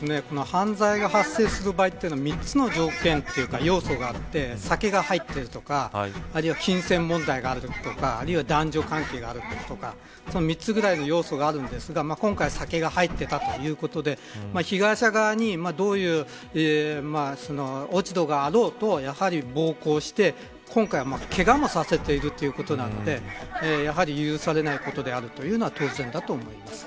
犯罪が発生する場合というのは３つの条件というか要素があって酒が入っているとか金銭問題があるとか男女関係があるとか３つぐらいの要素があるんですが今回は酒が入っていたということで被害者側に、どういう落ち度があろうとやはり暴行して今回は、けがもさせているということなのでやはり許されないことであるというのは当然だと思います。